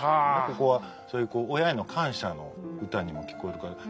ここはそういう親への感謝の歌にも聞こえるから。